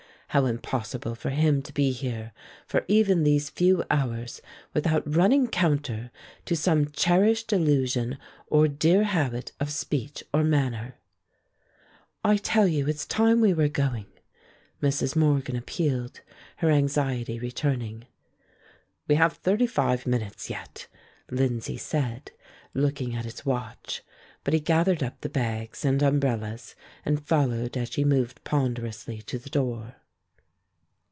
How impossible for him to be here for even these few hours without running counter to some cherished illusion or dear habit of speech or manner. "I tell you it's time we were going," Mrs. Morgan appealed, her anxiety returning. "We have thirty five minutes yet," Lindsay said, looking at his watch; but he gathered up the bags and umbrellas and followed as she moved ponderously to the door.